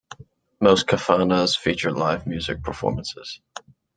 Most kafanas feature live music performances.